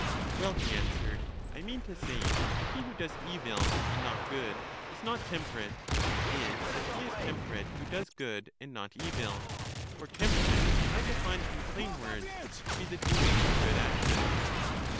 Well, he answered; I mean to say, that he who does evil, and not good, is not temperate; and that he is temperate who does good, and not evil: for tem gerance I deJSne in plain words to be the doing of good^aiiions.